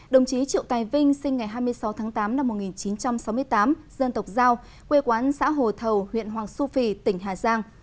đồng chí triệu tài vinh sinh ngày hai mươi sáu tháng tám năm một nghìn chín trăm sáu mươi tám dân tộc giao quê quán xã hồ thầu huyện hoàng su phi tỉnh hà giang